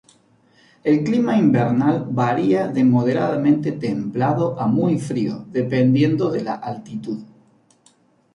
El clima invernal varía de moderadamente templado a muy frío, dependiendo de la altitud.